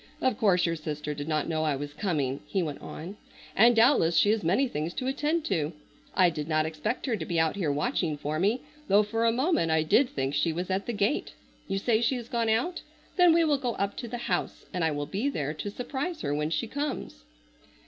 "Of course your sister did not know I was coming," he went on, "and doubtless she has many things to attend to. I did not expect her to be out here watching for me, though for a moment I did think she was at the gate. You say she is gone out? Then we will go up to the house and I will be there to surprise her when she comes."